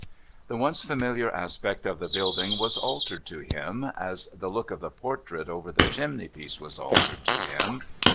' The once familiar aspect of the building was altered to him, as the look of the portrait over the chimney piece was altered to him.